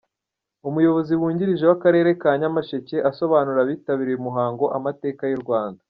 Umuyobozi wungiririje w’akarere ka Nyamasheke asobanurira abitabiriye umuhango amateka y’u Rwanda.